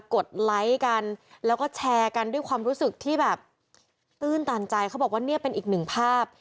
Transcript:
ดไลค์กันแล้วก็แชร์กันด้วยความรู้สึกที่แบบตื้นตันใจเขาบอกว่าเนี่ยเป็นอีกหนึ่งภาพ